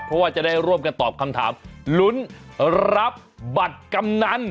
เพราะว่าจะได้ร่วมกันตอบคำถามลุ้นรับบัตรกำนัน